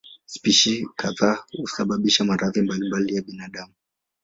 Spishi kadhaa husababisha maradhi mbalimbali ya binadamu.